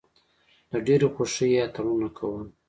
له ډېرې خوښۍ یې اتڼونه کول.